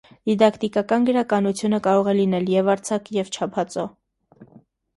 Դիդակտիկական գրականությունը կարող է լինել և՛ արձակ, և՛ չափածո։